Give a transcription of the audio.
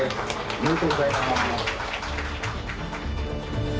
おめでとうございます！